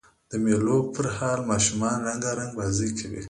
د مېلو پر مهال ماشومان رنګارنګ بازۍ کوي.